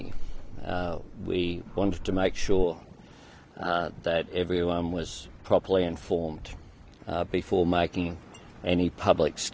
kami ingin memastikan semua orang terpaksa berinformasi sebelum membuat pernyataan publik